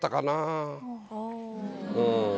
うん。